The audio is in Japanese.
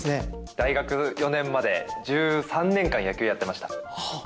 大学４年まで１３年間、野球やってました。